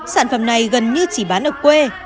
sản phẩm này gần như chỉ bán ở quê